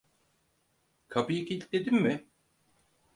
Kapıyı kilitledin mi?